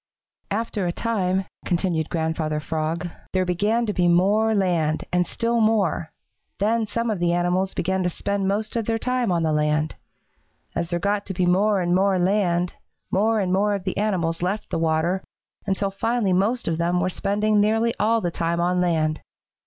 "After a time," continued Grandfather Frog, "there began to be more land and still more. Then some of the animals began to spend most of their time on the land. As there got to be more and more land, more and more of the animals left the water, until finally most of them were spending nearly all of the time on land.